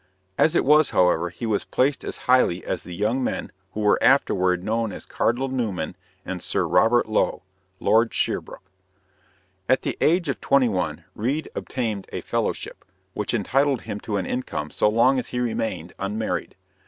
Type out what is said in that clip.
As it was, however, he was placed as highly as the young men who were afterward known as Cardinal Newman and Sir Robert Lowe (Lord Sherbrooke). At the age of twenty one, Reade obtained a fellowship, which entitled him to an income so long as he remained unmarried.